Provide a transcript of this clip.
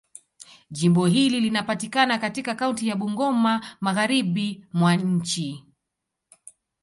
Jimbo hili linapatikana katika kaunti ya Bungoma, Magharibi mwa nchi.